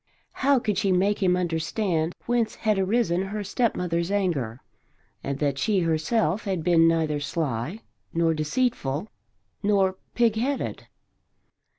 How could she make him understand whence had arisen her stepmother's anger and that she herself had been neither sly nor deceitful nor pigheaded?